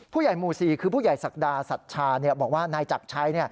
ผู้ใหญ่หมู่๔คือผู้ใหญ่ศักดาสัชชาบอกว่านายจักรชัย